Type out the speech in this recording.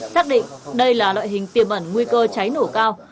xác định đây là loại hình tiềm ẩn nguy cơ cháy nổ cao